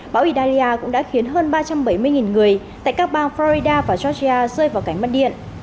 bão italia cũng đã khiến hơn ba trăm bảy mươi người tại các bang florida và georgia rơi vào cảnh mất điện